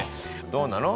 どうなの？